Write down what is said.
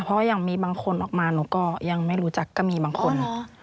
เพราะยังมีบางคนออกมาหนูก็ยังไม่รู้จักก็มีบางคน